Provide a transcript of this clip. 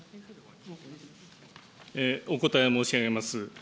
お答え申し上げます。